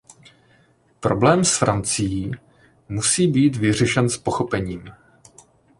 Problém s Francií musí být vyřešen s pochopením.